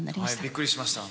びっくりしました。